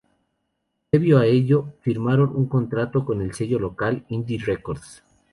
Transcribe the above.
Previo a ello, firmaron un contrato con el sello local Indie Recordings.